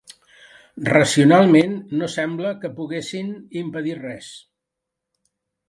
Racionalment, no semblava que poguessin impedir res.